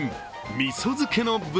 みそ漬けの豚